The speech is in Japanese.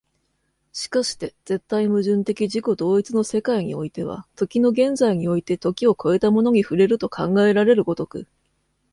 而して絶対矛盾的自己同一の世界においては、時の現在において時を越えたものに触れると考えられる如く、